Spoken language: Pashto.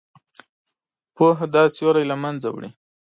پوهه دا سیوری له منځه وړي.